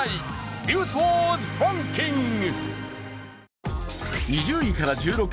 「ニュースワードランキング」